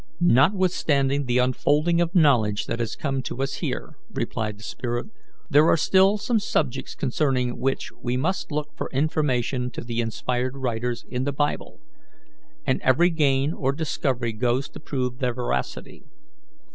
"Notwithstanding the unfolding of knowledge that has come to us here," replied the spirit, "there are still some subjects concerning which we must look for information to the inspired writers in the Bible, and every gain or discovery goes to prove their veracity.